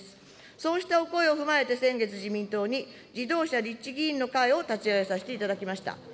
そうしたお声を踏まえて、先月、自民党に、自動車立地議員の会を立ち上げさせていただきました。